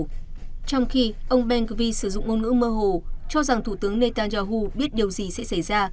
trong khi ông bencovi sử dụng ngôn ngữ mơ hồ cho rằng thủ tướng netanyahu biết điều gì sẽ xảy ra